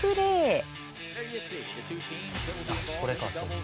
あっこれか。